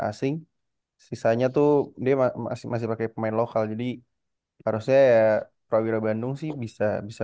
asing sisanya tuh dia masih pakai pemain lokal jadi harusnya ya prawira bandung sih bisa bisa